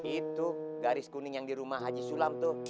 itu garis kuning yang di rumah haji sulam tuh